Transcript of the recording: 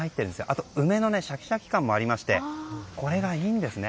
あと、梅のシャキシャキ感もありましてこれがいいんですね。